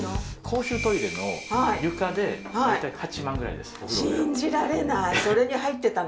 公衆トイレの床で大体８万ぐらいです。